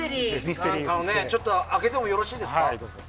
開けてもよろしいですか。